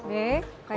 hei pak ji